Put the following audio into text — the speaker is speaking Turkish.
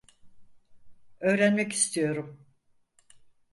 Öğrenmek istiyorum.